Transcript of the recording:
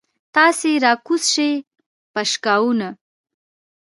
تاسې راکوز شئ پشکاوونه.